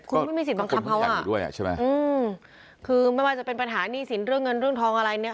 คุณไม่มีสิทธิ์บังคับเขาอ่ะคือไม่ว่าจะเป็นปัญหานีสินเรื่องเงินเรื่องทองอะไรเนี่ย